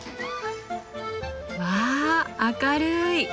わあ明るい！